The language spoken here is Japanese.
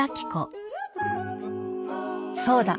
そうだ！